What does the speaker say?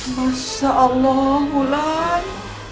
masya allah ular